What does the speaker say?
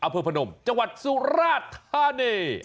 อเภอผนมจังหวัดสุราธาณีย์